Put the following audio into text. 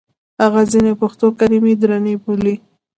هغه ځینې پښتو کلمې درنې بولي.